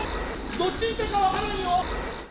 どっちに行ったか分からんよ。